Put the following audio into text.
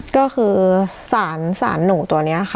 ก็คือสารหนูตัวนี้ค่ะ